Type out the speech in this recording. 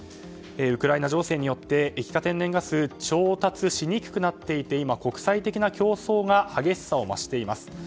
ウクライナ情勢によって液化天然ガスが調達しにくくなっていて今、国際的な競争が激しさを増しています。